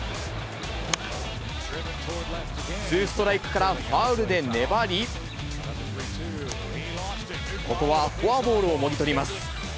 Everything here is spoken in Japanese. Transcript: ツーストライクからファウルで粘り、ここはフォアボールをもぎ取ります。